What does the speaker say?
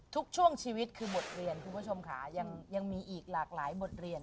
ทุกช่วงชีวิตคือบทเรียนคุณผู้ชมค่ะยังมีอีกหลากหลายบทเรียน